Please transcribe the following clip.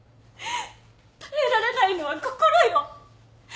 耐えられないのは心よ。